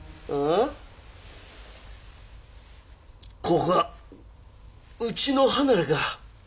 ここはうちの離れか。